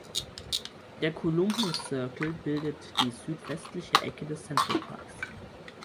Der Columbus Circle bildet die südwestliche Ecke des Central Parks.